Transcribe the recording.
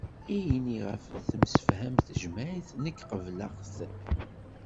Ayen i ɣef temsefham tejmaɛt nekk qebleɣ-t